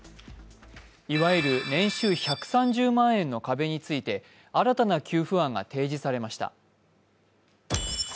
いわゆる年収１３０万円の壁について公明党が新たな給付案が提示されました。